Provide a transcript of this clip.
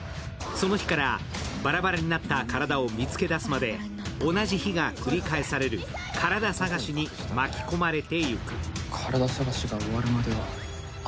その日からバラバラになったカラダを見つけ出すまで同じ日が繰り返される「カラダ探し」に巻き込まれていく。